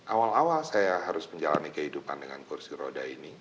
awal awal saya harus menjalani kehidupan dengan kursi roda ini